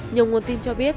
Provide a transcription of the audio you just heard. nhiều nguồn tin cho biết